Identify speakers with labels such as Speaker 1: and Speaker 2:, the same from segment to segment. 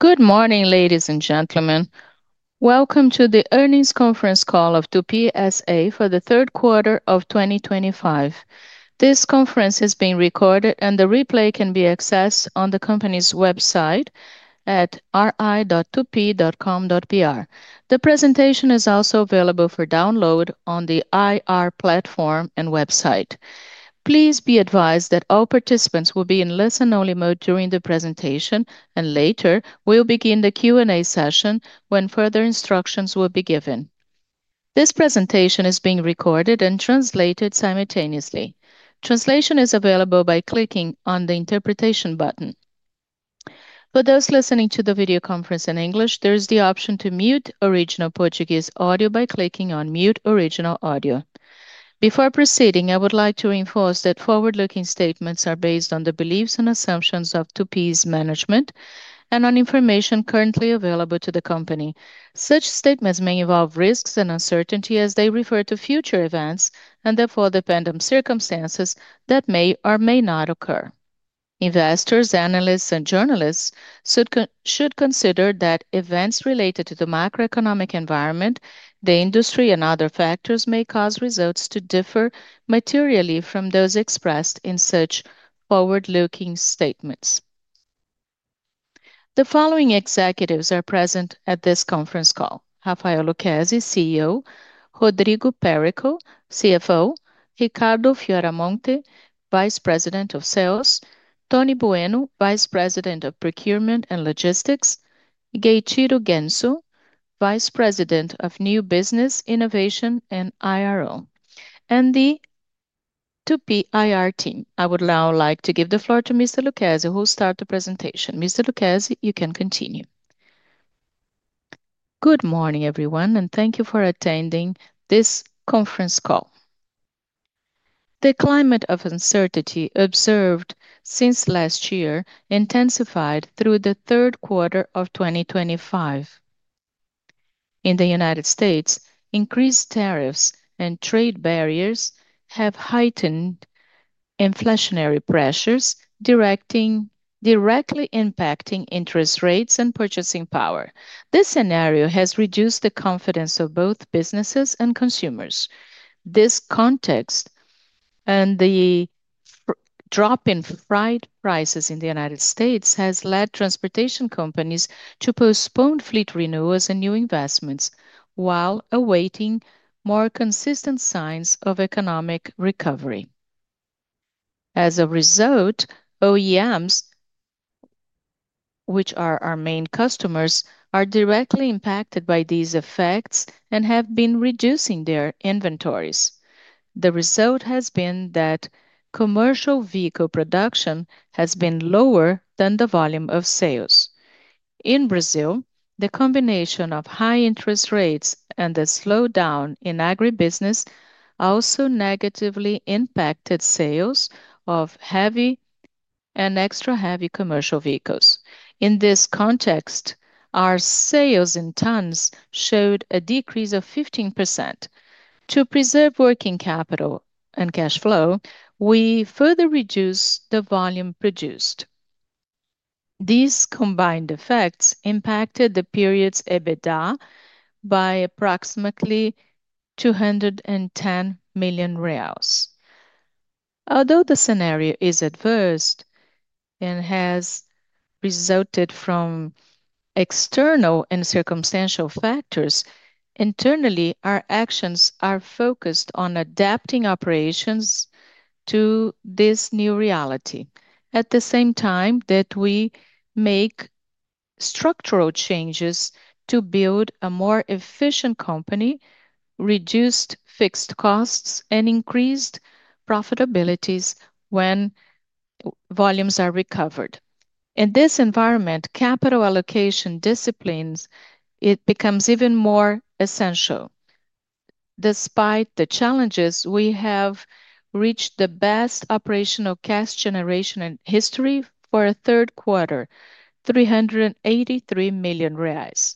Speaker 1: Good morning, ladies and gentlemen. Welcome to the earnings conference call of Tupy S.A. for the third quarter of 2025. This conference is being recorded, and the replay can be accessed on the company's website at ri.tupy.com.br. The presentation is also available for download on the IR platform and website. Please be advised that all participants will be in listen-only mode during the presentation, and later we will begin the Q&A session when further instructions will be given. This presentation is being recorded and translated simultaneously. Translation is available by clicking on the interpretation button. For those listening to the video conference in English, there is the option to mute original Portuguese audio by clicking on Mute Original Audio. Before proceeding, I would like to reinforce that forward-looking statements are based on the beliefs and assumptions of Tupy's management and on information currently available to the company. Such statements may involve risks and uncertainty as they refer to future events and therefore depend on circumstances that may or may not occur. Investors, analysts, and journalists should consider that events related to the macroeconomic environment, the industry, and other factors may cause results to differ materially from those expressed in such forward-looking statements. The following executives are present at this conference call: Rafael Lucasi, CEO; Rodrigo Perico, CFO; Ricardo Fioramonte, Vice President of Sales; Tony Bueno, Vice President of Procurement and Logistics; Gueitiro Genso, Vice President of New Business Innovation and IRO; and the Tupy IR team. I would now like to give the floor to Mr. Lucasi, who will start the presentation. Mr. Lucasi, you can continue.
Speaker 2: Good morning, everyone, and thank you for attending this conference call. The climate of uncertainty observed since last year intensified through the third quarter of 2025. In the United States, increased tariffs and trade barriers have heightened inflationary pressures, directly impacting interest rates and purchasing power. This scenario has reduced the confidence of both businesses and consumers. This context and the drop in fried prices in the United States has led transportation companies to postpone fleet renewals and new investments while awaiting more consistent signs of economic recovery. As a result, OEMs, which are our main customers, are directly impacted by these effects and have been reducing their inventories. The result has been that commercial vehicle production has been lower than the volume of sales. In Brazil, the combination of high interest rates and the slowdown in agribusiness also negatively impacted sales of heavy and extra-heavy commercial vehicles. In this context, our sales in tons showed a decrease of 15%. To preserve working capital and cash flow, we further reduce the volume produced. These combined effects impacted the period's EBITDA by approximately 210 million reals. Although the scenario is adverse and has resulted from external and circumstantial factors, internally, our actions are focused on adapting operations to this new reality at the same time that we make structural changes to build a more efficient company, reduce fixed costs, and increase profitability when volumes are recovered. In this environment, capital allocation disciplines become even more essential. Despite the challenges, we have reached the best operational cash generation in history for a third quarter: 383 million reals.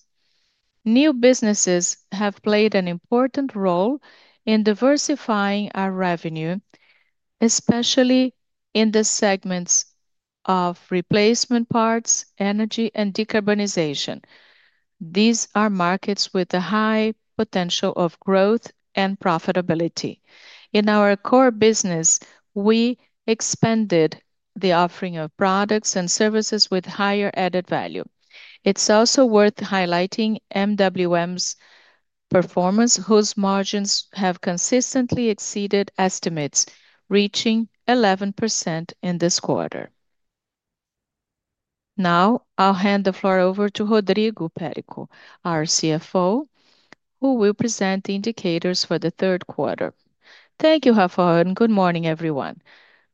Speaker 2: New businesses have played an important role in diversifying our revenue, especially in the segments of replacement parts, energy, and decarbonization. These are markets with a high potential for growth and profitability. In our core business, we expanded the offering of products and services with higher added value. It's also worth highlighting MWM's performance, whose margins have consistently exceeded estimates, reaching 11% in this quarter. Now, I'll hand the floor over to Rodrigo Perico, our CFO, who will present the indicators for the third quarter.
Speaker 3: Thank you, Rafael. And good morning, everyone.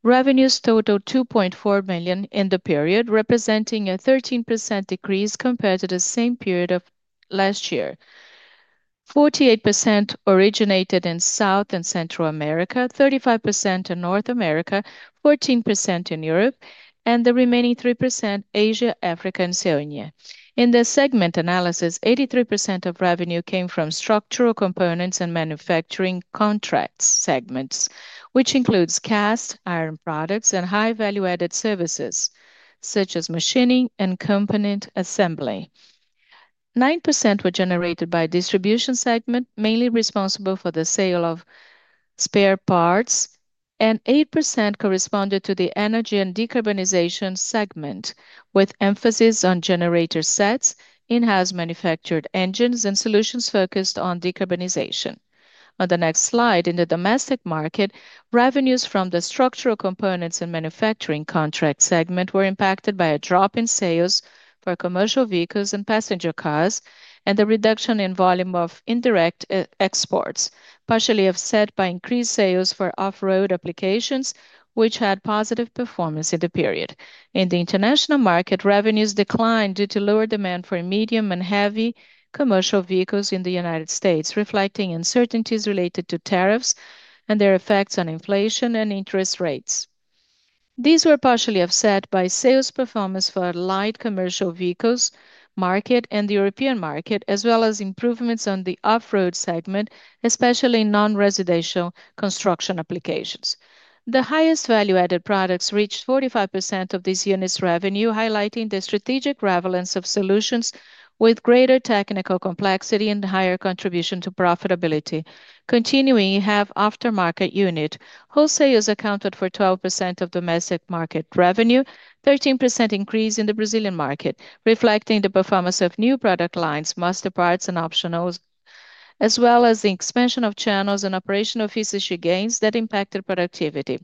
Speaker 3: Revenues total 2.4 million in the period, representing a 13% decrease compared to the same period of last year. 48% originated in South and Central America, 35% in North America, 14% in Europe, and the remaining 3% in Asia, Africa, and Syria. In the segment analysis, 83% of revenue came from structural components and manufacturing contracts segments, which includes cast iron products and high-value added services such as machining and component assembly. 9% were generated by the distribution segment, mainly responsible for the sale of spare parts, and 8% corresponded to the energy and decarbonization segment, with emphasis on generator sets, in-house manufactured engines, and solutions focused on decarbonization. On the next slide, in the domestic market, revenues from the structural components and manufacturing contract segment were impacted by a drop in sales for commercial vehicles and passenger cars and the reduction in volume of indirect exports, partially offset by increased sales for off-road applications, which had positive performance in the period. In the international market, revenues declined due to lower demand for medium and heavy commercial vehicles in the United States, reflecting uncertainties related to tariffs and their effects on inflation and interest rates. These were partially offset by sales performance for the light commercial vehicles market and the European market, as well as improvements on the off-road segment, especially non-residential construction applications. The highest value-added products reached 45% of these units' revenue, highlighting the strategic relevance of solutions with greater technical complexity and higher contribution to profitability. Continuing have aftermarket unit, whose sales accounted for 12% of domestic market revenue, a 13% increase in the Brazilian market, reflecting the performance of new product lines, master parts, and options, as well as the expansion of channels and operational efficiency gains that impacted productivity.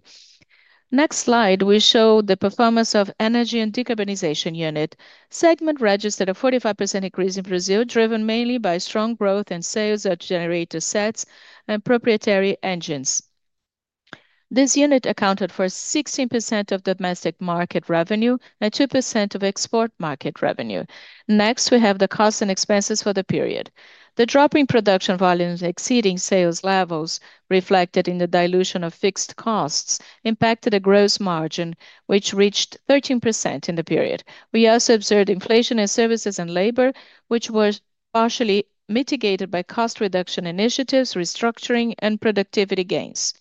Speaker 3: Next slide, we show the performance of energy and decarbonization unit. Segment registered a 45% increase in Brazil, driven mainly by strong growth in sales of generator sets and proprietary engines. This unit accounted for 16% of domestic market revenue and 2% of export market revenue. Next, we have the costs and expenses for the period. The drop in production volumes exceeding sales levels reflected in the dilution of fixed costs impacted the gross margin, which reached 13% in the period. We also observed inflation in services and labor, which was partially mitigated by cost reduction initiatives, restructuring, and productivity gains.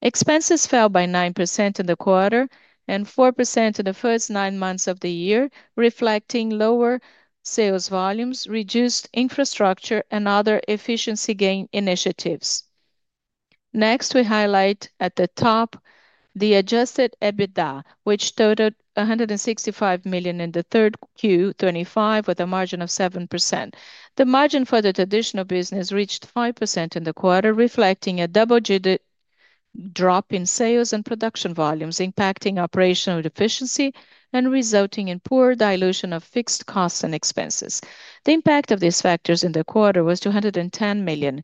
Speaker 3: Expenses fell by 9% in the quarter and 4% in the first nine months of the year, reflecting lower sales volumes, reduced infrastructure, and other efficiency gain initiatives. Next, we highlight at the top the adjusted EBITDA, which totaled 165 million in the third Q25 with a margin of 7%. The margin for the traditional business reached 5% in the quarter, reflecting a double-drop in sales and production volumes, impacting operational efficiency and resulting in poor dilution of fixed costs and expenses. The impact of these factors in the quarter was 210 million.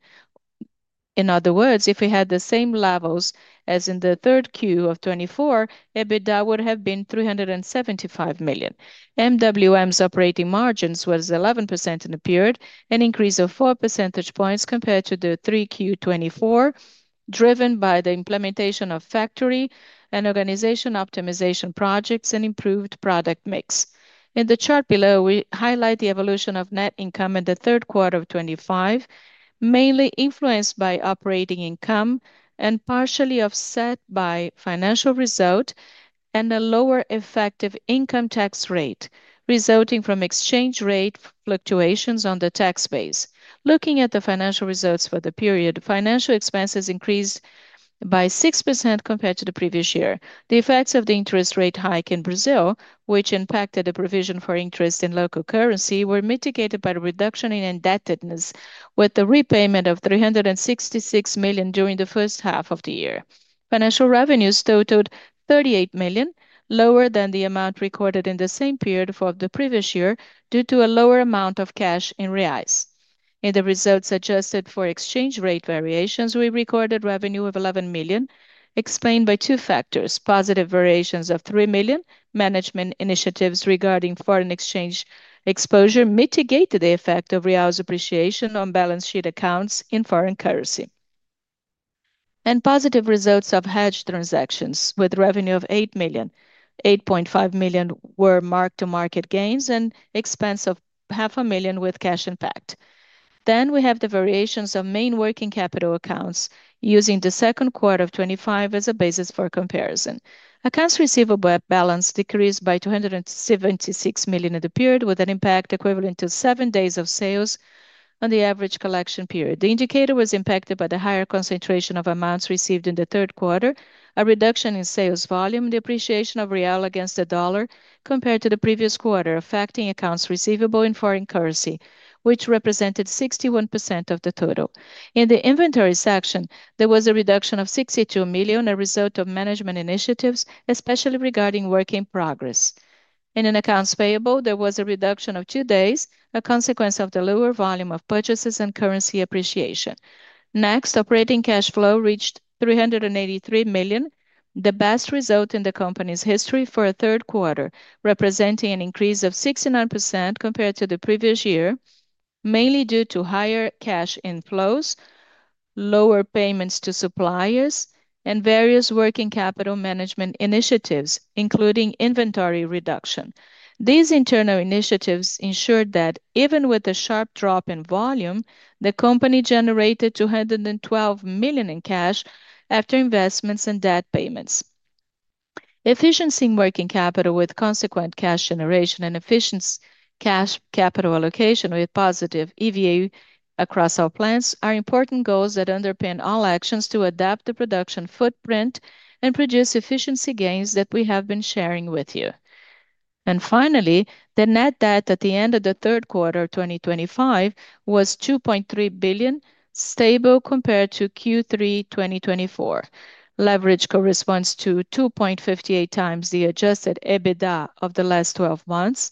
Speaker 3: In other words, if we had the same levels as in the third Q of 24, EBITDA would have been 375 million. MWM's operating margins were 11% in the period, an increase of 4 percentage points compared to the three Q24, driven by the implementation of factory and organization optimization projects and improved product mix. In the chart below, we highlight the evolution of net income in the third quarter of 25, mainly influenced by operating income and partially offset by financial result and a lower effective income tax rate resulting from exchange rate fluctuations on the tax base. Looking at the financial results for the period, financial expenses increased by 6% compared to the previous year. The effects of the interest rate hike in Brazil, which impacted the provision for interest in local currency, were mitigated by the reduction in indebtedness, with the repayment of 366 million during the first half of the year. Financial revenues totaled 38 million, lower than the amount recorded in the same period for the previous year due to a lower amount of cash in reais. In the results adjusted for exchange rate variations, we recorded revenue of 11 million, explained by two factors: positive variations of 3 million management initiatives regarding foreign exchange exposure mitigated the effect of reais appreciation on balance sheet accounts in foreign currency, and positive results of hedged transactions with revenue of 8 million. 8.5 million were marked to market gains and expense of half a million with cash impact. Then we have the variations of main working capital accounts using the second quarter of 25 as a basis for comparison. Accounts receivable balance decreased by 276 million in the period, with an impact equivalent to seven days of sales on the average collection period. The indicator was impacted by the higher concentration of amounts received in the third quarter, a reduction in sales volume, and the appreciation of real against the dollar compared to the previous quarter, affecting accounts receivable in foreign currency, which represented 61% of the total. In the inventory section, there was a reduction of 62 million as a result of management initiatives, especially regarding work in progress. In accounts payable, there was a reduction of two days, a consequence of the lower volume of purchases and currency appreciation. Next, operating cash flow reached 383 million, the best result in the company's history for a third quarter, representing an increase of 69% compared to the previous year, mainly due to higher cash inflows, lower payments to suppliers, and various working capital management initiatives, including inventory reduction. These internal initiatives ensured that even with a sharp drop in volume, the company generated 212 million in cash after investments and debt payments. Efficiency in working capital with consequent cash generation and efficient cash capital allocation with positive EVA across our plans are important goals that underpin all actions to adapt the production footprint and produce efficiency gains that we have been sharing with you. And finally, the net debt at the end of the third quarter of 2025 was 2.3 billion, stable compared to Q3 2024. Leverage corresponds to 2.58 times the Adjusted EBITDA of the last 12 months,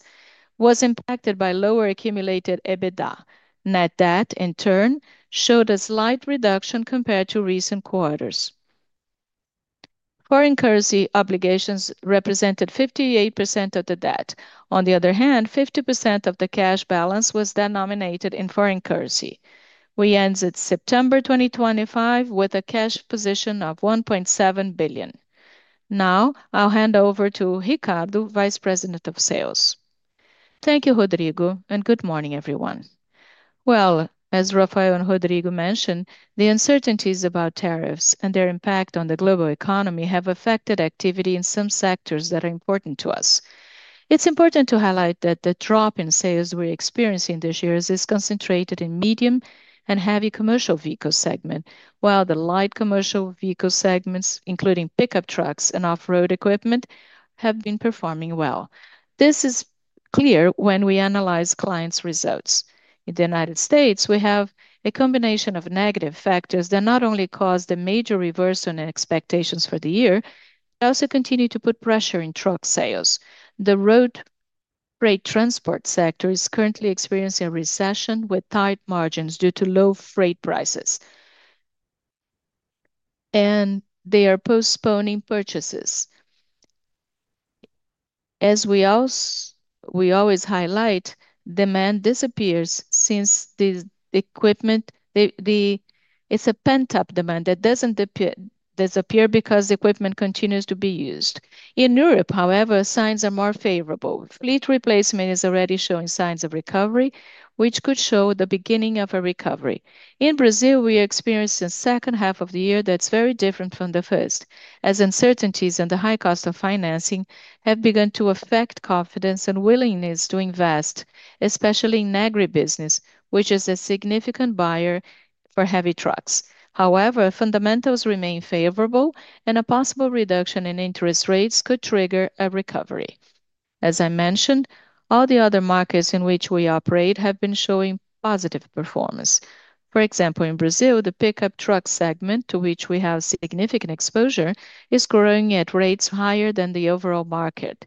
Speaker 3: was impacted by lower accumulated EBITDA. Net debt, in turn, showed a slight reduction compared to recent quarters. Foreign currency obligations represented 58% of the debt. On the other hand, 50% of the cash balance was denominated in foreign currency. We ended September 2025 with a cash position of 1.7 billion. Now, I'll hand over to Ricardo, Vice President of Sales.
Speaker 4: Thank you, Rodrigo, and good morning, everyone. Well, as Rafael and Rodrigo mentioned, the uncertainties about tariffs and their impact on the global economy have affected activity in some sectors that are important to us. It's important to highlight that the drop in sales we're experiencing this year is concentrated in medium and heavy commercial vehicle segment, while the light commercial vehicle segments, including pickup trucks and off-road equipment, have been performing well. This is clear when we analyze clients' results. In the United States, we have a combination of negative factors that not only caused a major reversal in expectations for the year, but also continue to put pressure on truck sales. The road freight transport sector is currently experiencing a recession with tight margins due to low freight prices, and they are postponing purchases. As we always highlight, demand disappears since the equipment, it's a pent-up demand that doesn't disappear because equipment continues to be used. In Europe, however, signs are more favorable. Fleet replacement is already showing signs of recovery, which could show the beginning of a recovery. In Brazil, we are experiencing the second half of the year that's very different from the first, as uncertainties and the high cost of financing have begun to affect confidence and willingness to invest, especially in agribusiness, which is a significant buyer for heavy trucks. However, fundamentals remain favorable, and a possible reduction in interest rates could trigger a recovery. As I mentioned, all the other markets in which we operate have been showing positive performance. For example, in Brazil, the pickup truck segment, to which we have significant exposure, is growing at rates higher than the overall market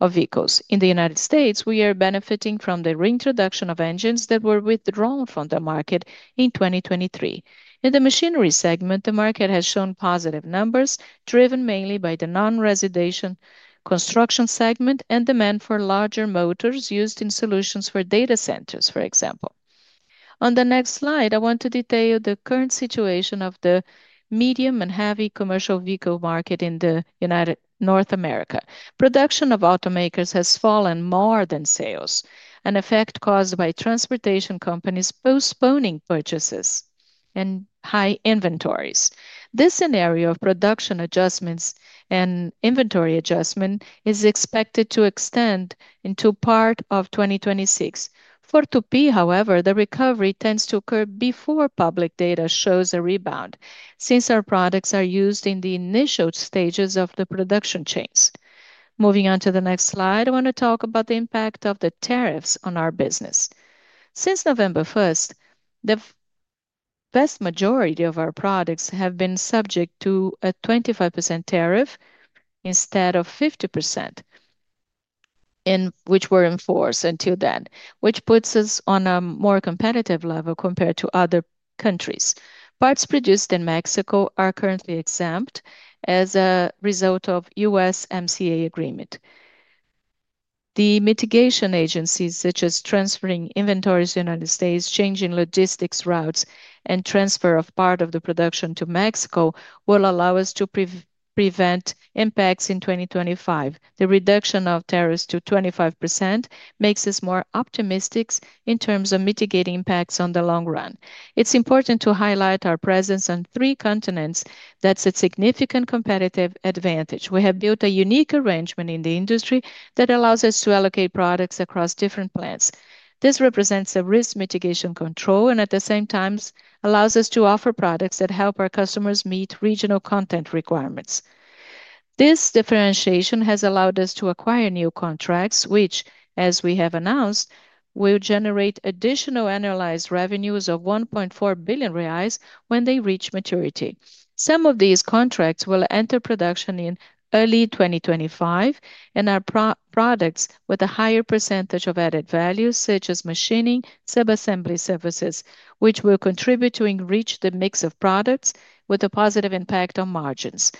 Speaker 4: of vehicles. In the United States, we are benefiting from the reintroduction of engines that were withdrawn from the market in 2023. In the machinery segment, the market has shown positive numbers, driven mainly by the non-residential construction segment and demand for larger motors used in solutions for data centers, for example. On the next slide, I want to detail the current situation of the medium and heavy commercial vehicle market in the United North America. Production of automakers has fallen more than sales, an effect caused by transportation companies postponing purchases and high inventories. This scenario of production adjustments and inventory adjustment is expected to extend into part of 2026. For Tupy, however, the recovery tends to occur before public data shows a rebound, since our products are used in the initial stages of the production chains. Moving on to the next slide, I want to talk about the impact of the tariffs on our business. Since November 1st, the vast majority of our products have been subject to a 25% tariff instead of 50%, which were enforced until then, which puts us on a more competitive level compared to other countries. Parts produced in Mexico are currently exempt as a result of the US MCA agreement. The mitigation agencies, such as transferring inventories to the United States, changing logistics routes, and transfer of part of the production to Mexico, will allow us to prevent impacts in 2025. The reduction of tariffs to 25% makes us more optimistic in terms of mitigating impacts in the long run. It's important to highlight our presence on three continents; that's a significant competitive advantage. We have built a unique arrangement in the industry that allows us to allocate products across different plants. This represents a risk mitigation control and, at the same time, allows us to offer products that help our customers meet regional content requirements. This differentiation has allowed us to acquire new contracts, which, as we have announced, will generate additional annualized revenues of 1.4 billion reais when they reach maturity. Some of these contracts will enter production in early 2025 and are products with a higher percentage of added value, such as machining and subassembly services, which will contribute to enrich the mix of products with a positive impact on margins.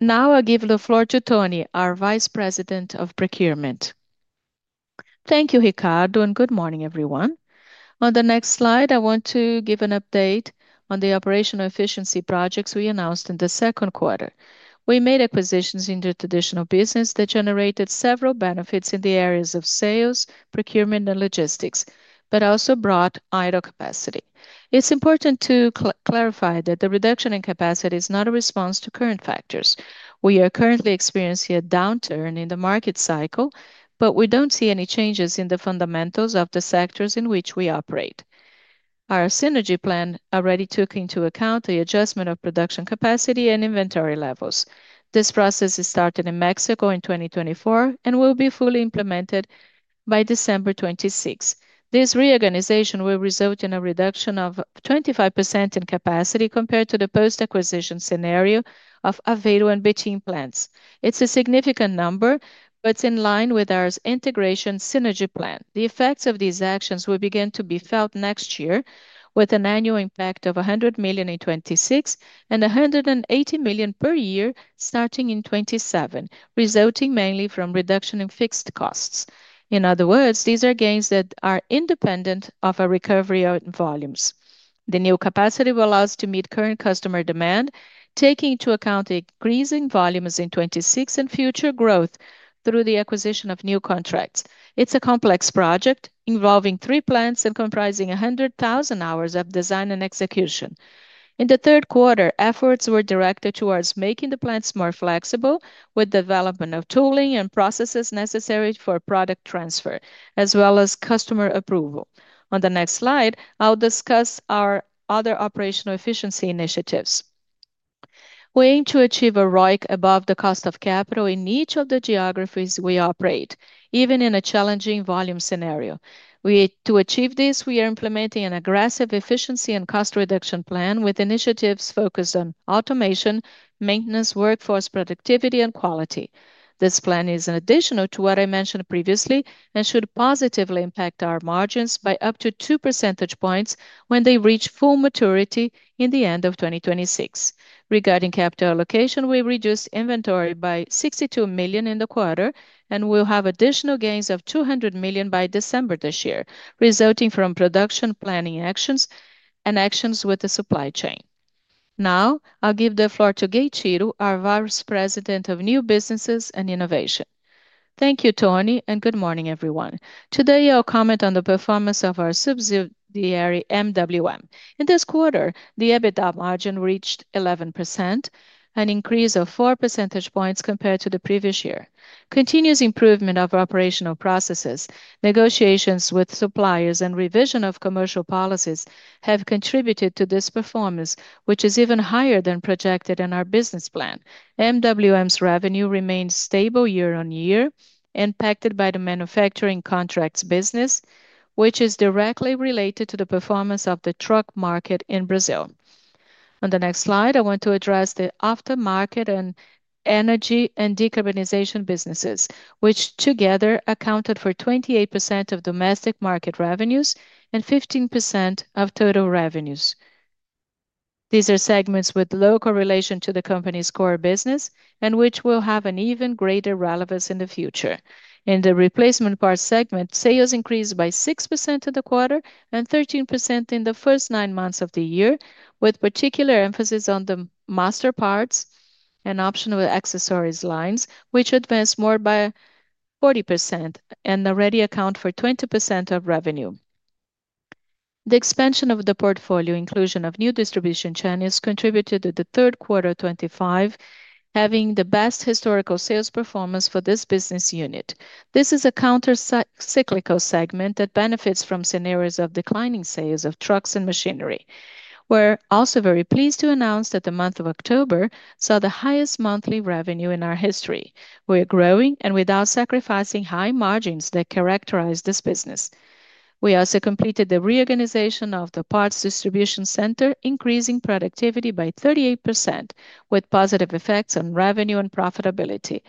Speaker 4: Now, I'll give the floor to Tony, our Vice President of Procurement.
Speaker 5: Thank you, Ricardo, and good morning, everyone. On the next slide, I want to give an update on the operational efficiency projects we announced in the second quarter. We made acquisitions in the traditional business that generated several benefits in the areas of sales, procurement, and logistics, but also brought idle capacity. It's important to clarify that the reduction in capacity is not a response to current factors. We are currently experiencing a downturn in the market cycle, but we don't see any changes in the fundamentals of the sectors in which we operate. Our synergy plan already took into account the adjustment of production capacity and inventory levels. This process is started in Mexico in 2024 and will be fully implemented by December 26. This reorganization will result in a reduction of 25% in capacity compared to the post-acquisition scenario of Aveiro and Betim plants. It's a significant number, but it's in line with our integration synergy plan. The effects of these actions will begin to be felt next year, with an annual impact of 100 million in 26 and 180 million per year starting in 27, resulting mainly from reduction in fixed costs. In other words, these are gains that are independent of our recovery volumes. The new capacity will allow us to meet current customer demand, taking into account increasing volumes in 26 and future growth through the acquisition of new contracts. It's a complex project involving three plants and comprising 100,000 hours of design and execution. In the third quarter, efforts were directed towards making the plants more flexible with the development of tooling and processes necessary for product transfer, as well as customer approval. On the next slide, I'll discuss our other operational efficiency initiatives. We aim to achieve a ROIC above the cost of capital in each of the geographies we operate, even in a challenging volume scenario. To achieve this, we are implementing an aggressive efficiency and cost reduction plan with initiatives focused on automation, maintenance, workforce productivity, and quality. This plan is an additional to what I mentioned previously and should positively impact our margins by up to 2 percentage points when they reach full maturity in the end of 2026. Regarding capital allocation, we reduced inventory by 62 million in the quarter and will have additional gains of 200 million by December this year, resulting from production planning actions and actions with the supply chain. Now, I'll give the floor to Gueitiro, our Vice President of New Businesses and Innovation.
Speaker 6: Thank you, Tony, and good morning, everyone. Today, I'll comment on the performance of our subsidiary MWM. In this quarter, the EBITDA margin reached 11%, an increase of 4 percentage points compared to the previous year. Continuous improvement of operational processes, negotiations with suppliers, and revision of commercial policies have contributed to this performance, which is even higher than projected in our business plan. MWM's revenue remains stable year on year, impacted by the manufacturing contracts business, which is directly related to the performance of the truck market in Brazil. On the next slide, I want to address the aftermarket and energy and decarbonization businesses, which together accounted for 28% of domestic market revenues and 15% of total revenues. These are segments with local relation to the company's core business and which will have an even greater relevance in the future. In the replacement parts segment, sales increased by 6% in the quarter and 13% in the first nine months of the year, with particular emphasis on the master parts and optional accessories lines, which advanced more by 40% and already account for 20% of revenue. The expansion of the portfolio, inclusion of new distribution channels, contributed to the third quarter 25, having the best historical sales performance for this business unit. This is a countercyclical segment that benefits from scenarios of declining sales of trucks and machinery. We're also very pleased to announce that the month of October saw the highest monthly revenue in our history. We are growing and without sacrificing high margins that characterize this business. We also completed the reorganization of the parts distribution center, increasing productivity by 38%, with positive effects on revenue and profitability.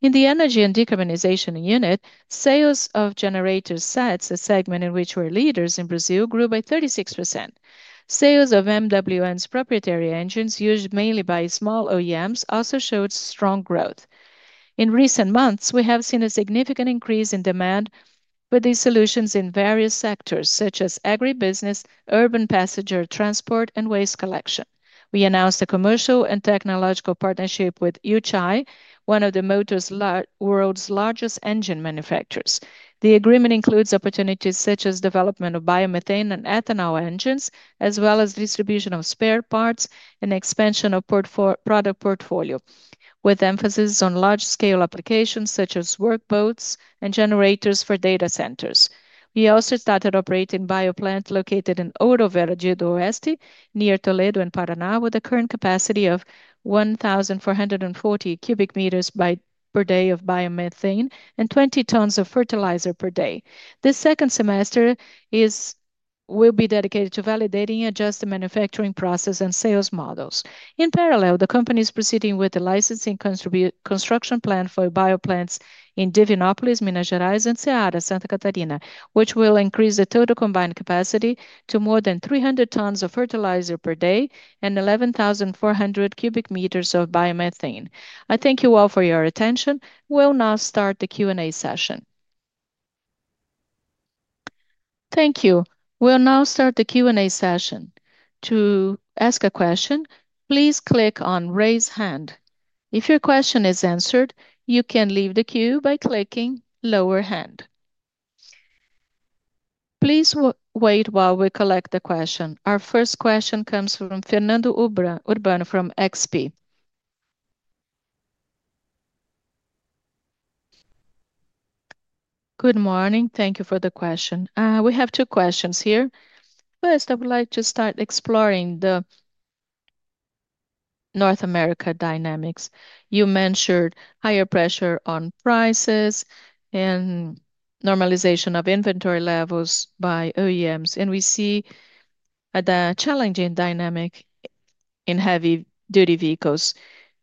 Speaker 6: In the energy and decarbonization unit, sales of generator sets, a segment in which we're leaders in Brazil, grew by 36%. Sales of MWM's proprietary engines, used mainly by small OEMs, also showed strong growth. In recent months, we have seen a significant increase in demand for these solutions in various sectors, such as agribusiness, urban passenger transport, and waste collection. We announced a commercial and technological partnership with UChai, one of the motor world's largest engine manufacturers. The agreement includes opportunities such as development of biomethane and ethanol engines, as well as distribution of spare parts and expansion of product portfolio, with emphasis on large-scale applications such as workboats and generators for data centers. We also started operating a bioplant located in Ouro Verde do Oeste, near Toledo and Paraná, with a current capacity of 1,440 cubic meters per day of biomethane and 20 tons of fertilizer per day. This second semester will be dedicated to validating and adjusting manufacturing processes and sales models. In parallel, the company is proceeding with the licensing construction plan for bioplants in Divinópolis, Minas Gerais, and Ceará, Santa Catarina, which will increase the total combined capacity to more than 300 tons of fertilizer per day and 11,400 cubic meters of biomethane. I thank you all for your attention. We'll now start the Q&A session.
Speaker 1: Thank you. We'll now start the Q&A session. To ask a question, please click on "Raise Hand." If your question is answered, you can leave the queue by clicking "Lower Hand." Please wait while we collect the question. Our first question comes from Fernanda Urbano from XP.
Speaker 7: Good morning. Thank you for the question. We have two questions here. First, I would like to start exploring the North America dynamics. You mentioned higher pressure on prices and normalization of inventory levels by OEMs, and we see a challenging dynamic in heavy-duty vehicles.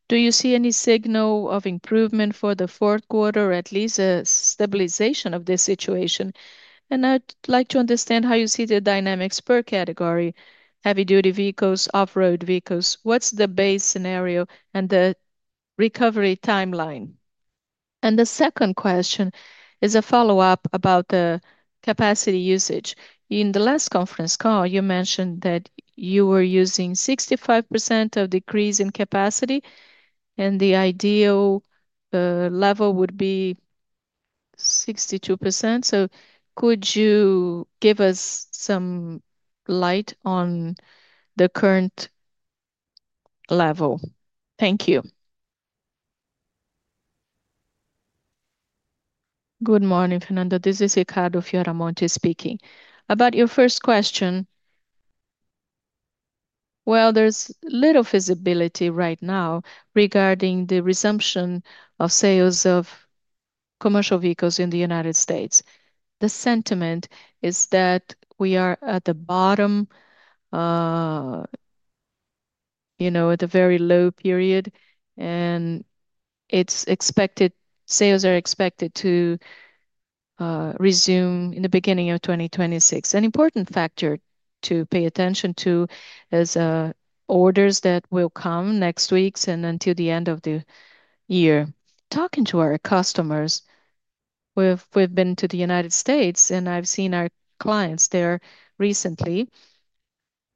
Speaker 7: Do you see any signal of improvement for the fourth quarter, or at least a stabilization of this situation? And I'd like to understand how you see the dynamics per category: heavy-duty vehicles, off-road vehicles. What's the base scenario and the recovery timeline? And the second question is a follow-up about the capacity usage. In the last conference call, you mentioned that you were using 65% of decrease in capacity, and the ideal level would be 62%. So could you give us some light on the current level? Thank you.
Speaker 4: Good morning, Fernanda. This is Ricardo Fioramonte speaking. About your first question, well, there's little visibility right now regarding the resumption of sales of commercial vehicles in the United States. The sentiment is that we are at the bottom, you know, at the very low period, and it's expected sales are expected to resume in the beginning of 2026. An important factor to pay attention to is orders that will come next weeks and until the end of the year. Talking to our customers, we've been to the United States, and I've seen our clients there recently.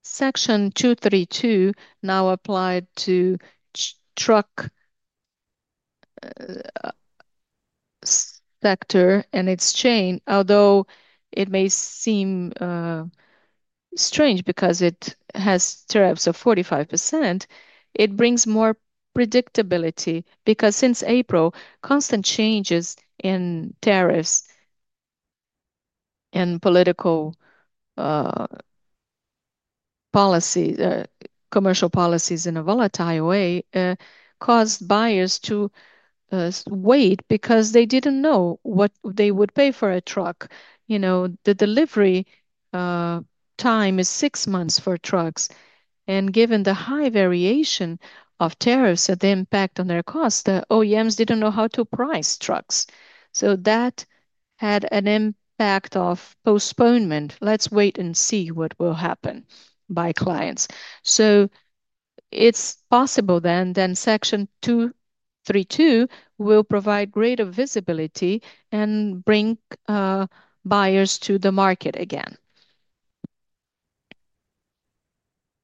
Speaker 4: Section 232 now applied to the truck sector and its chain. Although it may seem strange because it has tariffs of 45%, it brings more predictability because since April, constant changes in tariffs and political policies, commercial policies in a volatile way, caused buyers to wait because they didn't know what they would pay for a truck. You know, the delivery time is six months for trucks, and given the high variation of tariffs and the impact on their cost, the OEMs didn't know how to price trucks. So that had an impact of postponement. Let's wait and see what will happen by clients. So it's possible then that Section 232 will provide greater visibility and bring buyers to the market again.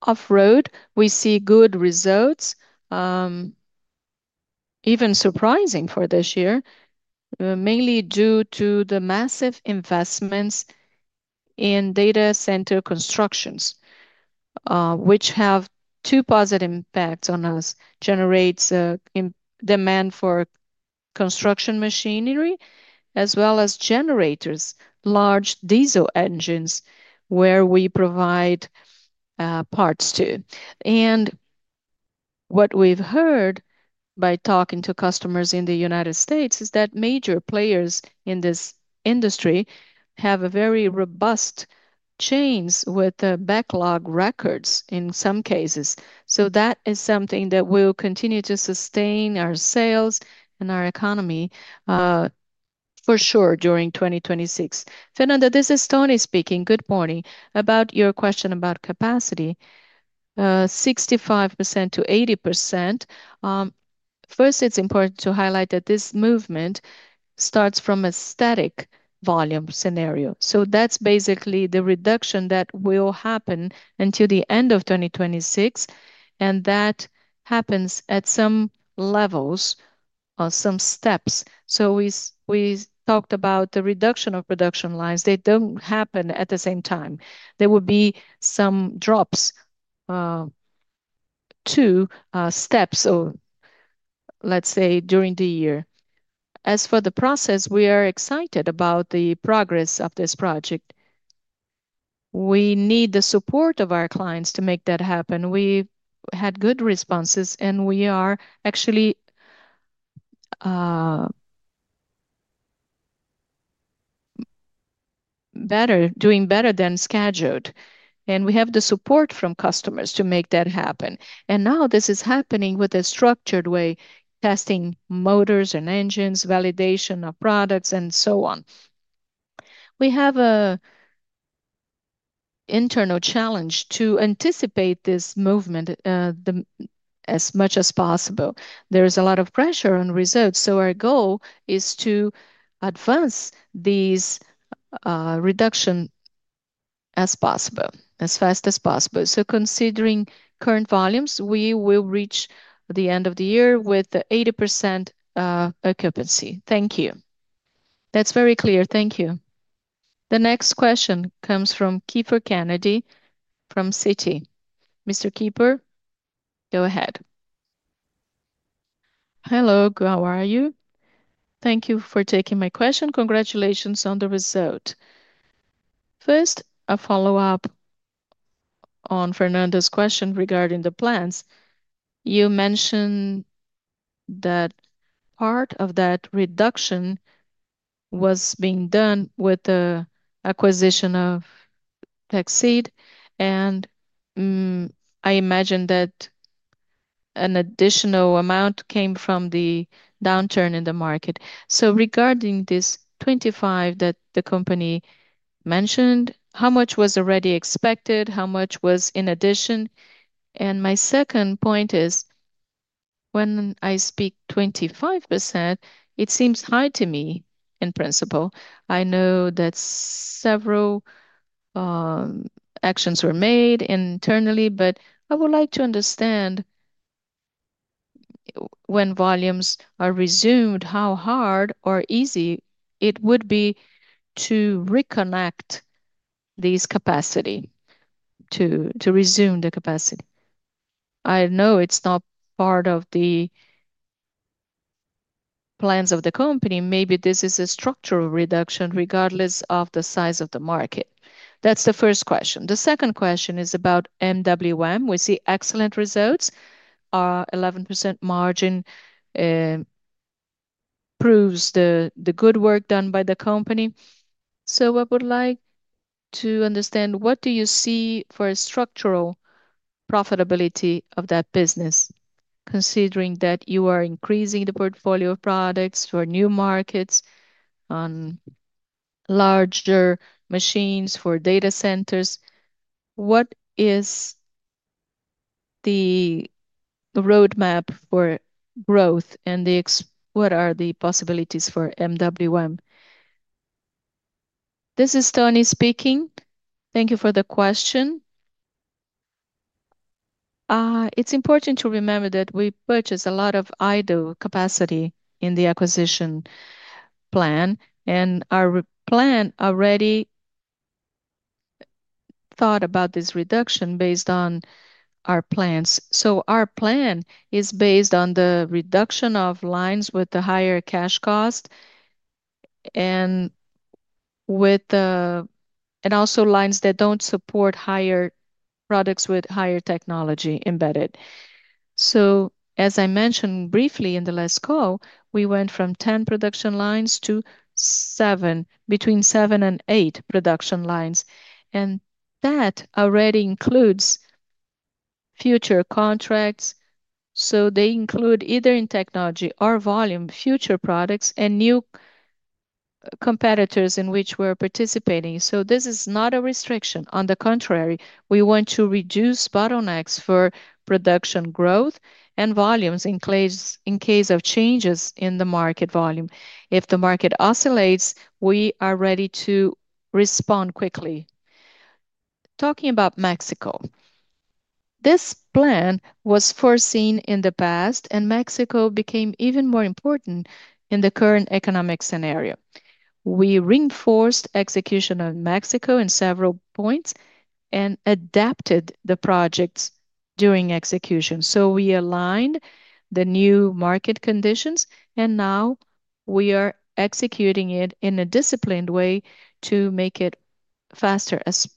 Speaker 4: Off-road, we see good results, even surprising for this year, mainly due to the massive investments in data center constructions, which have two positive impacts on us: generates demand for construction machinery, as well as generators, large diesel engines, where we provide parts to. And what we've heard by talking to customers in the United States is that major players in this industry have very robust chains with backlog records in some cases. So that is something that will continue to sustain our sales and our economy for sure during 2026.
Speaker 5: Fernanda, this is Tony speaking. Good morning. About your question about capacity, 65%-80%. First, it's important to highlight that this movement starts from a static volume scenario. So that's basically the reduction that will happen until the end of 2026, and that happens at some levels or some steps. So we talked about the reduction of production lines. They don't happen at the same time. There will be some drops to steps, or let's say during the year. As for the process, we are excited about the progress of this project. We need the support of our clients to make that happen. We had good responses, and we are actually better, doing better than scheduled. And we have the support from customers to make that happen. And now this is happening with a structured way, testing motors and engines, validation of products, and so on. We have an internal challenge to anticipate this movement as much as possible. There is a lot of pressure on results. So our goal is to advance these reductions as fast as possible. So considering current volumes, we will reach the end of the year with 80% occupancy.
Speaker 7: Thank you. That's very clear. Thank you.
Speaker 1: The next question comes from Kiepher Kennedy from Citi. Mr. Kiepher, go ahead.
Speaker 8: Hello, how are you? Thank you for taking my question. Congratulations on the result. First, a follow-up on Fernanda's question regarding the plans. You mentioned that part of that reduction was being done with the acquisition of TechSeed, and I imagine that an additional amount came from the downturn in the market. So regarding this 25% that the company mentioned, how much was already expected? How much was in addition? And my second point is, when I speak 25%, it seems high to me in principle. I know that several actions were made internally, but I would like to understand when volumes are resumed, how hard or easy it would be to reconnect this capacity, to resume the capacity. I know it's not part of the plans of the company. Maybe this is a structural reduction regardless of the size of the market. That's the first question. The second question is about MWM. We see excellent results. Our 11% margin proves the good work done by the company. So I would like to understand what do you see for structural profitability of that business, considering that you are increasing the portfolio of products for new markets on larger machines for data centers? What is the roadmap for growth, and what are the possibilities for MWM?
Speaker 5: This is Tony speaking. Thank you for the question. It's important to remember that we purchased a lot of idle capacity in the acquisition plan, and our plan already thought about this reduction based on our plans. So our plan is based on the reduction of lines with the higher cash cost and also lines that don't support higher products with higher technology embedded. So as I mentioned briefly in the last call, we went from 10 production lines to 7, between 7 and 8 production lines. And that already includes future contracts. So they include either in technology or volume, future products and new competitors in which we're participating. So this is not a restriction. On the contrary, we want to reduce bottlenecks for production growth and volumes in case of changes in the market volume. If the market oscillates, we are ready to respond quickly. Talking about Mexico, this plan was foreseen in the past, and Mexico became even more important in the current economic scenario. We reinforced execution of Mexico in several points and adapted the projects during execution. So we aligned the new market conditions, and now we are executing it in a disciplined way to make it faster as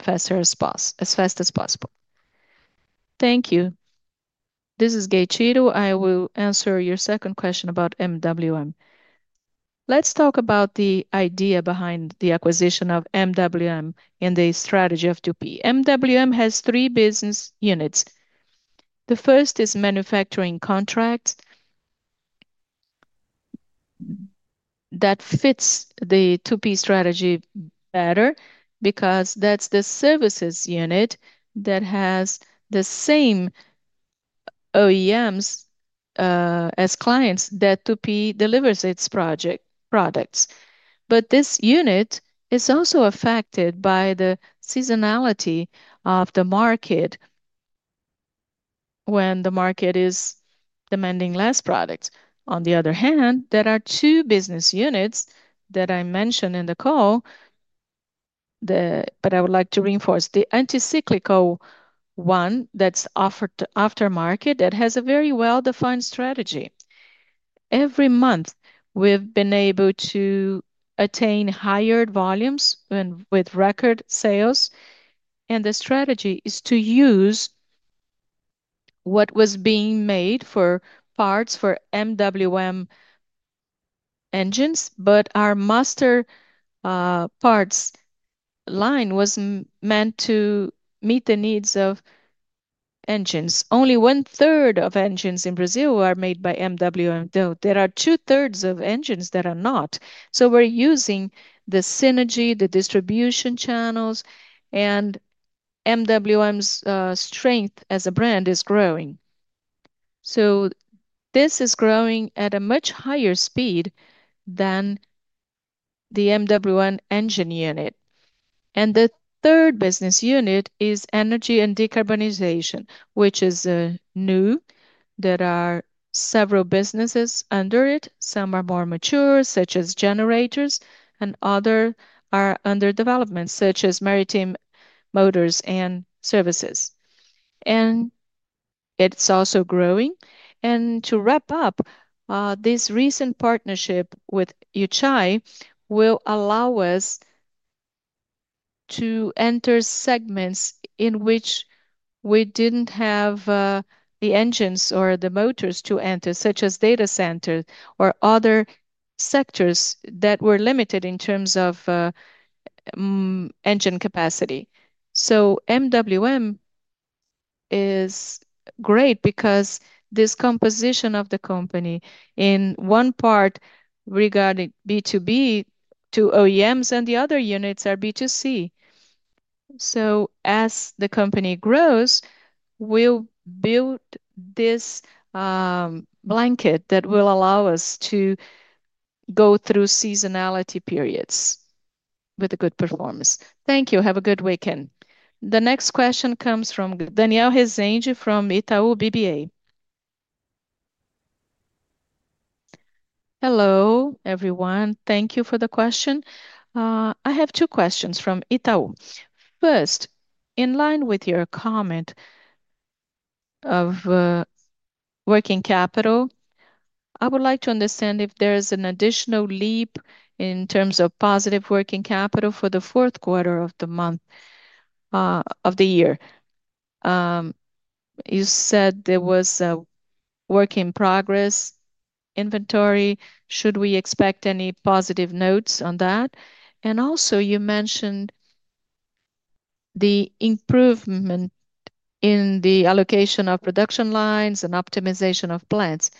Speaker 5: fast as possible.
Speaker 8: Thank you.
Speaker 6: This is Gueitiro. I will answer your second question about MWM. Let's talk about the idea behind the acquisition of MWM and the strategy of 2P. MWM has three business units. The first is manufacturing contracts that fit the 2P strategy better because that's the services unit that has the same OEMs as clients that 2P delivers its project products. But this unit is also affected by the seasonality of the market when the market is demanding less products. On the other hand, there are two business units that I mentioned in the call, but I would like to reinforce the anti-cyclical one that's offered after market that has a very well-defined strategy. Every month, we've been able to attain higher volumes with record sales. And the strategy is to use what was being made for parts for MWM engines, but our master parts line was meant to meet the needs of engines. Only one-third of engines in Brazil are made by MWM, though. There are two-thirds of engines that are not. So we're using the synergy, the distribution channels, and MWM's strength as a brand is growing. So this is growing at a much higher speed than the MWM engine unit. And the third business unit is energy and decarbonization, which is new. There are several businesses under it. Some are more mature, such as generators, and others are under development, such as maritime motors and services. And it's also growing. And to wrap up, this recent partnership with UChai will allow us to enter segments in which we didn't have the engines or the motors to enter, such as data centers or other sectors that were limited in terms of engine capacity. So MWM is great because this composition of the company, in one part regarding B2B to OEMs and the other units are B2C. So as the company grows, we'll build this blanket that will allow us to go through seasonality periods with a good performance.
Speaker 8: Thank you. Have a good weekend.
Speaker 1: The next question comes from Gabriel Rezende from Itaú BBA.
Speaker 9: Hello, everyone. Thank you for the question. I have two questions from Itaú. First, in line with your comment of working capital, I would like to understand if there is an additional leap in terms of positive working capital for the fourth quarter of the year. You said there was a work-in-progress inventory. Should we expect any positive notes on that? And also, you mentioned the improvement in the allocation of production lines and optimization of plants.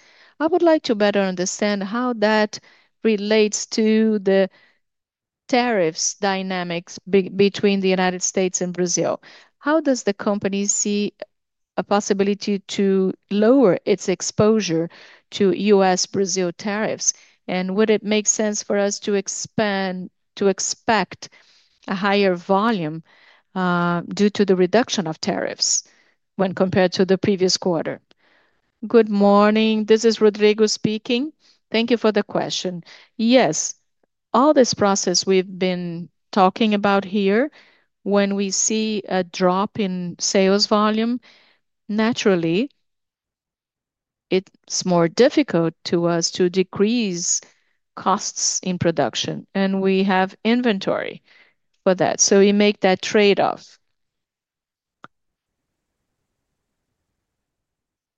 Speaker 9: I would like to better understand how that relates to the tariffs dynamics between the United States and Brazil. How does the company see a possibility to lower its exposure to US-Brazil tariffs? And would it make sense for us to expect a higher volume due to the reduction of tariffs when compared to the previous quarter?
Speaker 3: Good morning. This is Rodrigo speaking. Thank you for the question. Yes, all this process we've been talking about here, when we see a drop in sales volume, naturally, it's more difficult to us to decrease costs in production, and we have inventory for that. So we make that trade-off.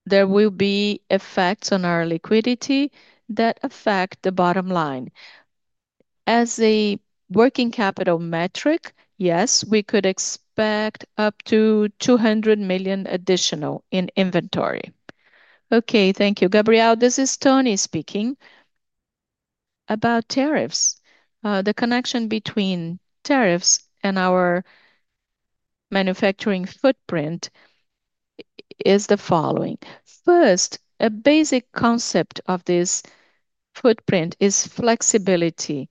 Speaker 3: There will be effects on our liquidity that affect the bottom line. As a working capital metric, yes, we could expect up to 200 million additional in inventory.
Speaker 9: Okay, thank you.
Speaker 5: Gabriel, this is Tony speaking. About tariffs, the connection between tariffs and our manufacturing footprint is the following. First, a basic concept of this footprint is flexibility.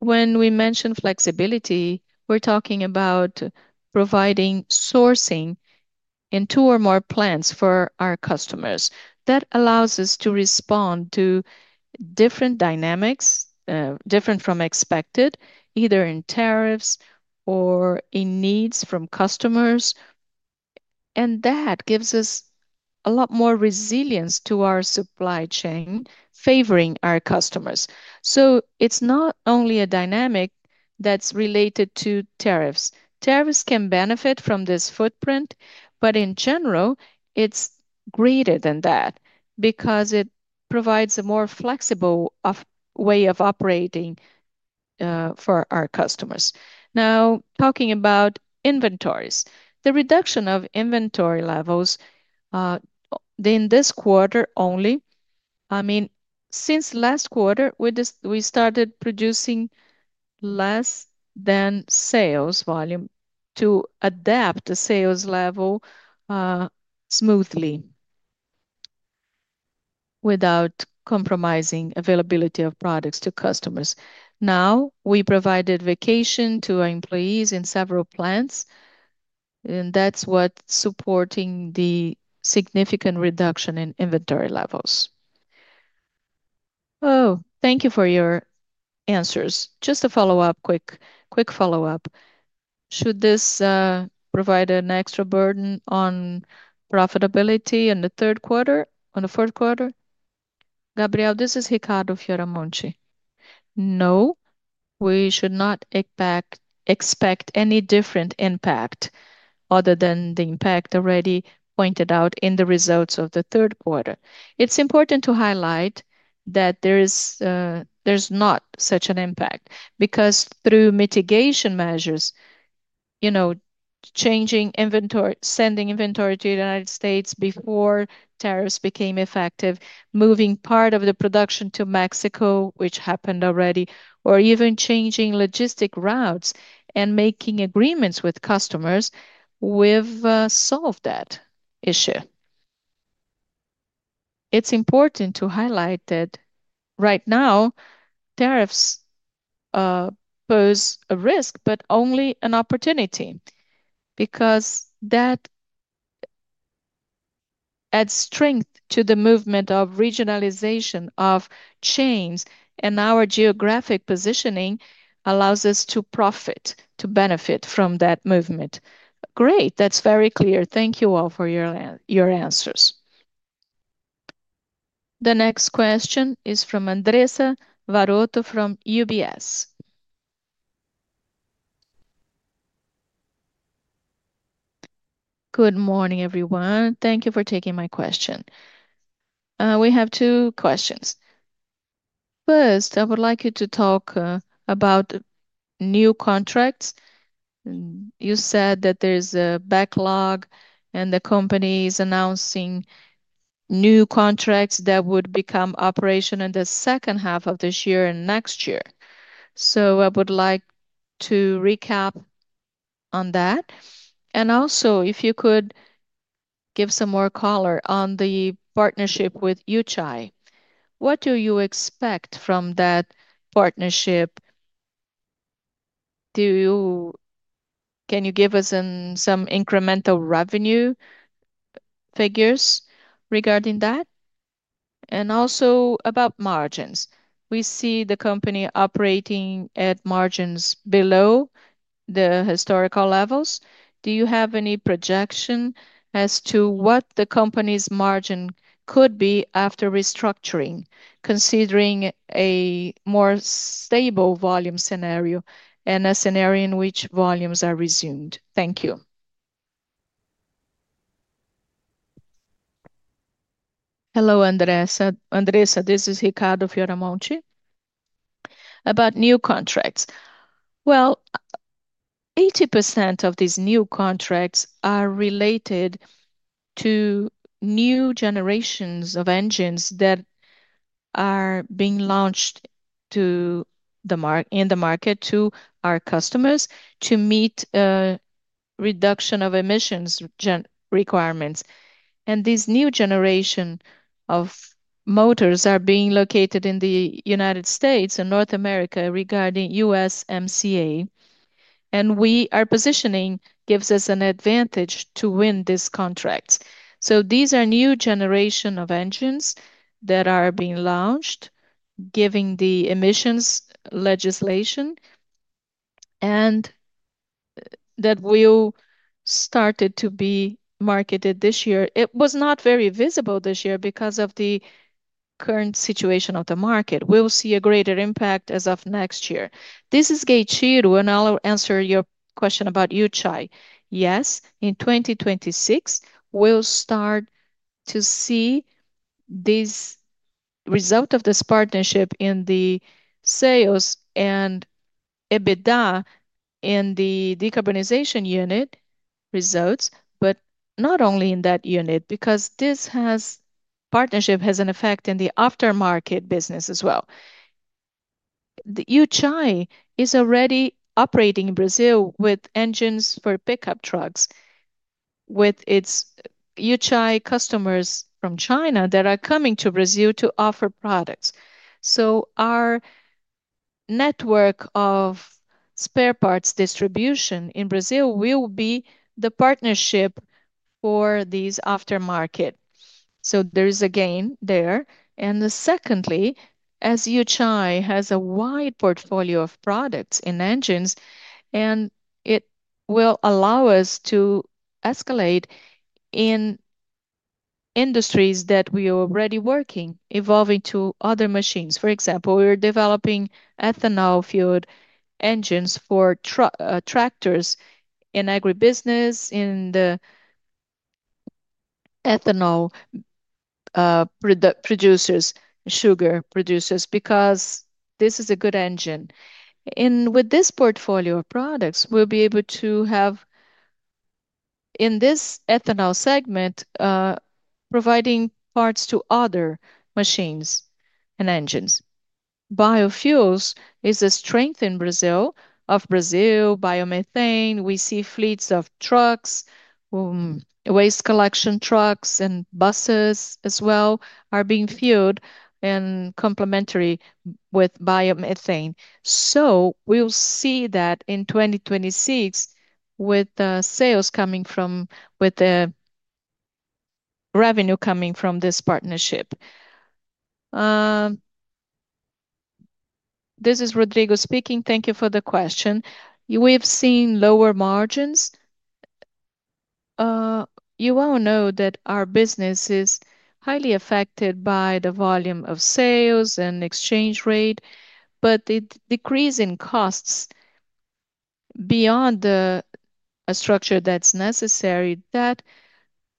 Speaker 5: When we mention flexibility, we're talking about providing sourcing in two or more plants for our customers. That allows us to respond to different dynamics, different from expected, either in tariffs or in needs from customers. And that gives us a lot more resilience to our supply chain, favoring our customers. So it's not only a dynamic that's related to tariffs. Tariffs can benefit from this footprint, but in general, it's greater than that because it provides a more flexible way of operating for our customers. Now, talking about inventories, the reduction of inventory levels in this quarter only, I mean, since last quarter, we started producing less than sales volume to adapt the sales level smoothly without compromising availability of products to customers. Now, we provided vacation to our employees in several plants, and that's what's supporting the significant reduction in inventory levels.
Speaker 9: Oh, thank you for your answers. Just a follow-up, quick follow-up. Should this provide an extra burden on profitability in the third quarter, on the fourth quarter?
Speaker 4: Gabriel, this is Ricardo Fioramonte. No, we should not expect any different impact other than the impact already pointed out in the results of the third quarter. It's important to highlight that there's not such an impact because through mitigation measures, changing inventory, sending inventory to the United States before tariffs became effective, moving part of the production to Mexico, which happened already, or even changing logistic routes and making agreements with customers will solve that issue. It's important to highlight that right now, tariffs pose a risk, but only an opportunity because that adds strength to the movement of regionalization of chains, and our geographic positioning allows us to profit, to benefit from that movement.
Speaker 9: Great. That's very clear. Thank you all for your answers.
Speaker 1: The next question is from Andressa Varotto from UBS.
Speaker 10: Good morning, everyone. Thank you for taking my question. We have two questions. First, I would like you to talk about new contracts. You said that there's a backlog, and the company is announcing new contracts that would become operational in the second half of this year and next year. So I would like to recap on that. And also, if you could give some more color on the partnership with UChai, what do you expect from that partnership? Can you give us some incremental revenue figures regarding that? And also about margins. We see the company operating at margins below the historical levels. Do you have any projection as to what the company's margin could be after restructuring, considering a more stable volume scenario and a scenario in which volumes are resumed? Thank you.
Speaker 4: Hello, Andressa. Andressa, this is Ricardo Fioramonte. About new contracts. Well, 80% of these new contracts are related to new generations of engines that are being launched in the market to our customers to meet reduction of emissions requirements. And these new generation of motors are being located in the United States and North America regarding USMCA. And we are positioning gives us an advantage to win these contracts. So these are new generation of engines that are being launched, giving the emissions legislation, and that will start to be marketed this year. It was not very visible this year because of the current situation of the market. We'll see a greater impact as of next year.
Speaker 6: This is Gueitiro, and I'll answer your question about UChai. Yes, in 2026, we'll start to see these results of this partnership in the sales and EBIDA in the decarbonization unit results, but not only in that unit because this partnership has an effect in the aftermarket business as well. UChai is already operating in Brazil with engines for pickup trucks, with its UChai customers from China that are coming to Brazil to offer products. So our network of spare parts distribution in Brazil will be the partnership for these aftermarket. So there is a gain there. And secondly, as UChai has a wide portfolio of products and engines, it will allow us to escalate in industries that we are already working, evolving to other machines. For example, we're developing ethanol fuel engines for tractors in agribusiness, in the ethanol producers, sugar producers, because this is a good engine. And with this portfolio of products, we'll be able to have, in this ethanol segment, providing parts to other machines and engines. Biofuels is a strength in Brazil of Brazil biomethane. We see fleets of trucks, waste collection trucks, and buses as well are being fueled and complementary with biomethane. So we'll see that in 2026 with sales coming from, with the revenue coming from this partnership.
Speaker 3: This is Rodrigo speaking. Thank you for the question. We've seen lower margins. You all know that our business is highly affected by the volume of sales and exchange rate, but the decrease in costs beyond the structure that's necessary, that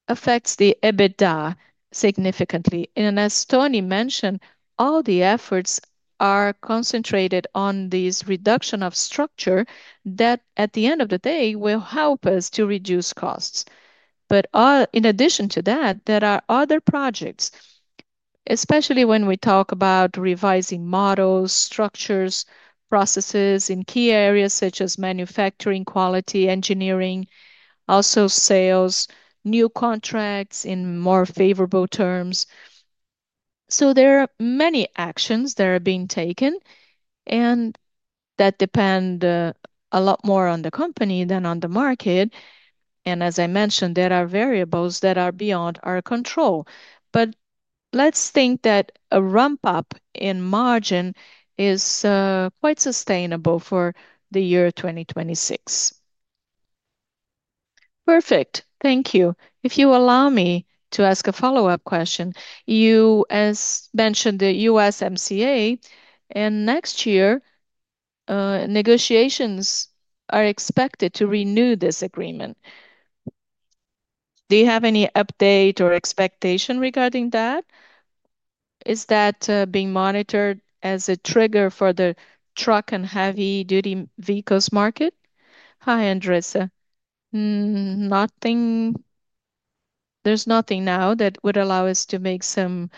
Speaker 3: affects the EBIDA significantly. And as Tony mentioned, all the efforts are concentrated on this reduction of structure that, at the end of the day, will help us to reduce costs. But in addition to that, there are other projects, especially when we talk about revising models, structures, processes in key areas such as manufacturing quality, engineering, also sales, new contracts in more favorable terms. So there are many actions that are being taken, and that depend a lot more on the company than on the market. And as I mentioned, there are variables that are beyond our control. But let's think that a ramp-up in margin is quite sustainable for the year 2026.
Speaker 10: Perfect. Thank you. If you allow me to ask a follow-up question, you mentioned the USMCA, and next year, negotiations are expected to renew this agreement. Do you have any update or expectation regarding that? Is that being monitored as a trigger for the truck and heavy-duty vehicles market?
Speaker 3: Hi, Andressa. Nothing. There's nothing now that would allow us to make some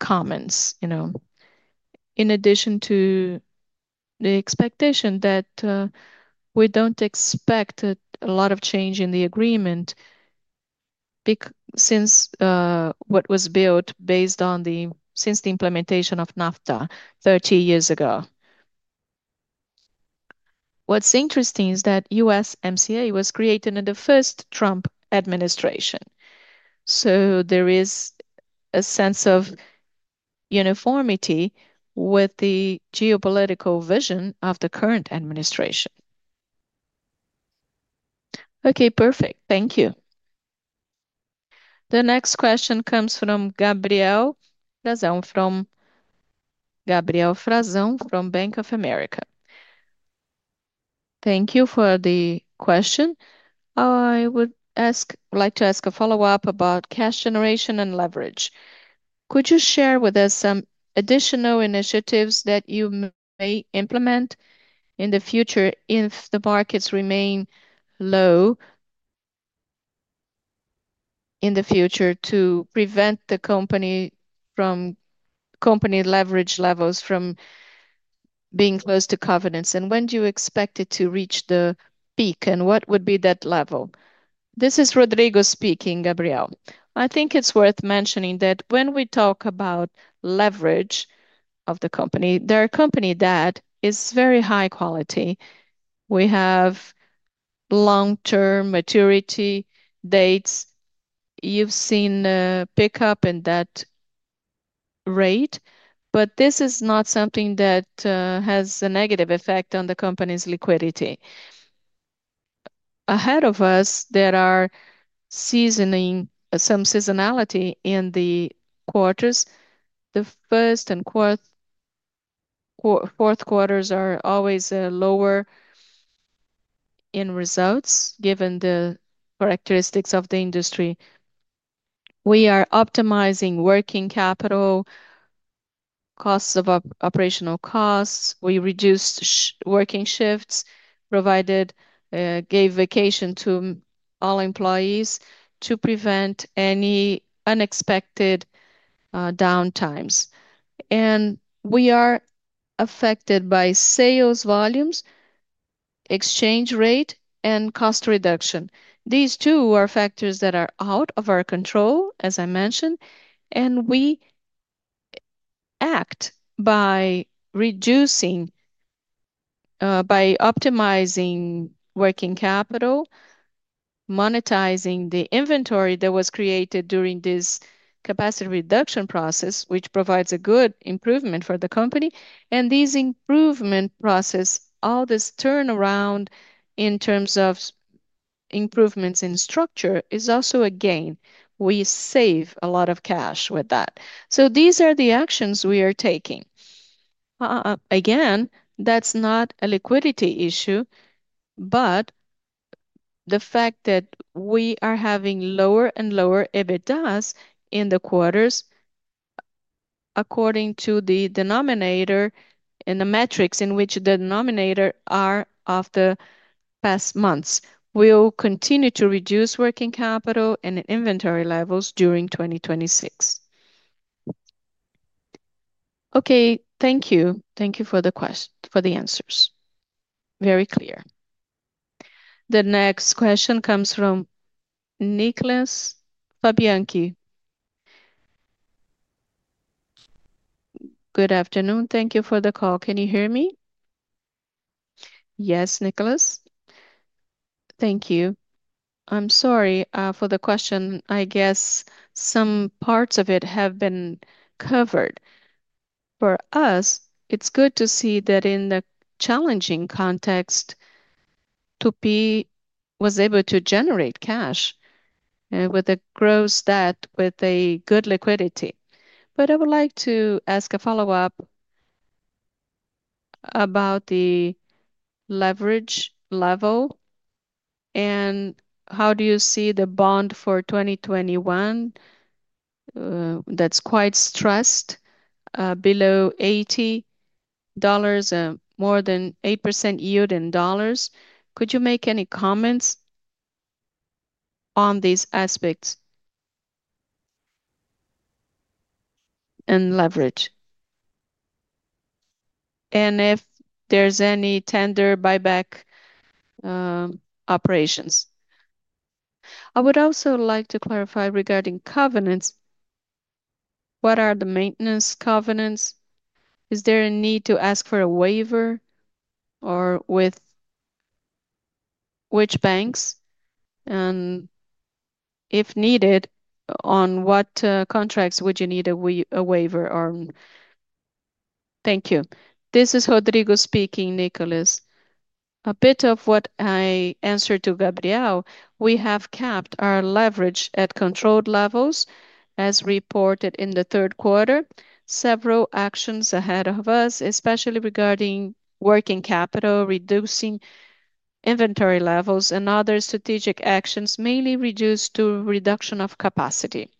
Speaker 3: comments, you know, in addition to the expectation that we don't expect a lot of change in the agreement since what was built based on the, since the implementation of NAFTA 30 years ago. What's interesting is that USMCA was created in the first Trump administration. So there is a sense of uniformity with the geopolitical vision of the current administration.
Speaker 10: Okay, perfect. Thank you. The next question comes from Gabriel Frazão, from Gabriel Frazão from Bank of America.
Speaker 11: Thank you for the question. I would ask, like to ask a follow-up about cash generation and leverage. Could you share with us some additional initiatives that you may implement in the future if the markets remain low in the future to prevent the company from company leverage levels from being close to covenants? And when do you expect it to reach the peak, and what would be that level?
Speaker 3: This is Rodrigo speaking, Gabriel. I think it's worth mentioning that when we talk about leverage of the company, there are company that is very high quality. We have long-term maturity dates. You've seen pickup in that rate, but this is not something that has a negative effect on the company's liquidity. Ahead of us, there are seasoning, some seasonality in the quarters. The first and fourth quarters are always lower in results given the characteristics of the industry. We are optimizing working capital, costs of operational costs. We reduced working shifts, provided, gave vacation to all employees to prevent any unexpected downtimes. And we are affected by sales volumes, exchange rate, and cost reduction. These two are factors that are out of our control, as I mentioned, and we act by reducing, by optimizing working capital, monetizing the inventory that was created during this capacity reduction process, which provides a good improvement for the company. And these improvement process, all this turnaround in terms of improvements in structure is also a gain. We save a lot of cash with that. So these are the actions we are taking. Again, that's not a liquidity issue, but the fact that we are having lower and lower EBIDAs in the quarters, according to the denominator in the metrics in which the denominator are of the past months, we'll continue to reduce working capital and inventory levels during 2026.
Speaker 11: Okay, thank you. Thank you for the question, for the answers. Very clear. The next question comes from Nicholas Pambianchi. Good afternoon. Thank you for the call. Can you hear me?
Speaker 3: Yes, Nicholas. Thank you. I'm sorry for the question. I guess some parts of it have been covered. For us, it's good to see that in the challenging context, Tupi was able to generate cash with a gross debt with a good liquidity. But I would like to ask a follow-up about the leverage level and how do you see the bond for 2021 that's quite stressed below $80, more than 8% yield in dollars? Could you make any comments on these aspects and leverage? And if there's any tender buyback operations. I would also like to clarify regarding covenants. What are the maintenance covenants? Is there a need to ask for a waiver or with which banks? And if needed, on what contracts would you need a waiver on? Thank you. This is Rodrigo speaking, Nicholas. A bit of what I answered to Gabriel. We have kept our leverage at controlled levels as reported in the third quarter. Several actions ahead of us, especially regarding working capital, reducing inventory levels and other strategic actions, mainly reduced to reduction of capacity.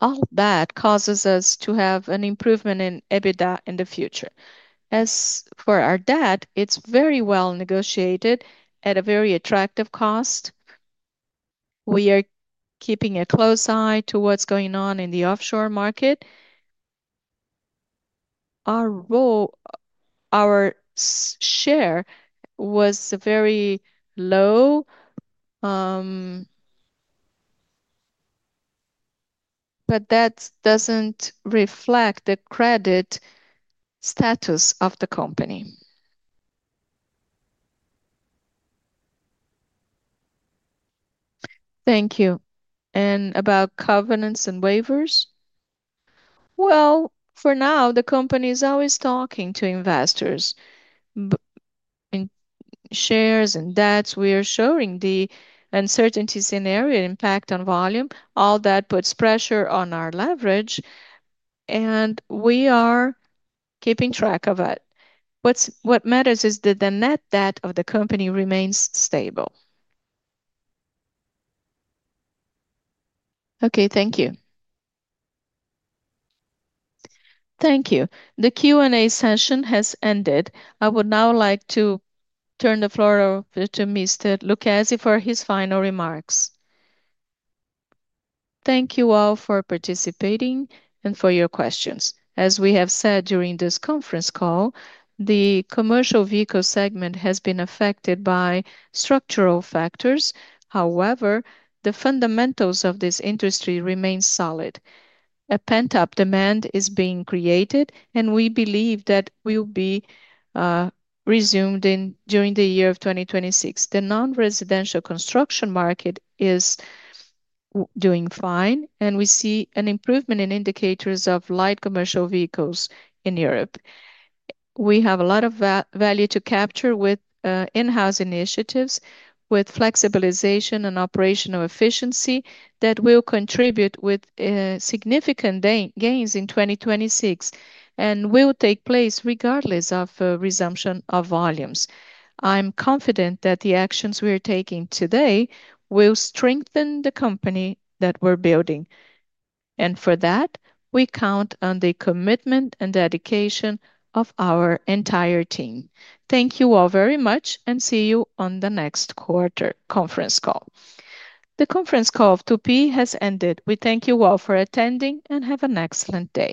Speaker 3: All that causes us to have an improvement in EBIDA in the future. As for our debt, it's very well negotiated at a very attractive cost. We are keeping a close eye to what's going on in the offshore market. Our role, our share was very low, but that doesn't reflect the credit status of the company. Thank you. And about covenants and waivers? Well, for now, the company is always talking to investors. Shares and debts, we are showing the uncertainty scenario, impact on volume. All that puts pressure on our leverage, and we are keeping track of it. What matters is that the net debt of the company remains stable. Okay, thank you.
Speaker 1: Thank you. The Q&A session has ended. I would now like to turn the floor over to Mr. Lucasi for his final remarks.
Speaker 2: Thank you all for participating and for your questions. As we have said during this conference call, the commercial vehicle segment has been affected by structural factors. However, the fundamentals of this industry remain solid. A pent-up demand is being created, and we believe that will be resumed during the year of 2026. The non-residential construction market is doing fine, and we see an improvement in indicators of light commercial vehicles in Europe. We have a lot of value to capture with in-house initiatives, with flexibilization and operational efficiency that will contribute with significant gains in 2026 and will take place regardless of resumption of volumes. I'm confident that the actions we are taking today will strengthen the company that we're building. And for that, we count on the commitment and dedication of our entire team. Thank you all very much, and see you on the next quarter conference call. The conference call of Tupi has ended. We thank you all for attending and have an excellent day.